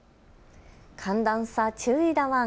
寒暖差、注意だワン！